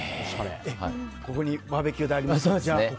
ここにバーベキュー台がありますね。